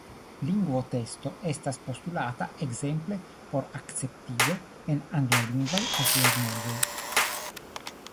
Lingvo-testo estas postulata ekzemple por akceptiĝo en anglalingvaj altlernejoj.